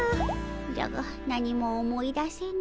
じゃが何も思い出せぬ。